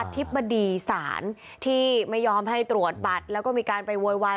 ธิบดีศาลที่ไม่ยอมให้ตรวจบัตรแล้วก็มีการไปโวยวาย